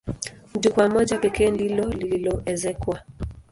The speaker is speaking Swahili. Jukwaa moja pekee ndilo lililoezekwa.